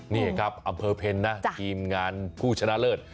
นี่ครับอำเภอเพ็ญนะทีมงานผู้ชนะเลิศ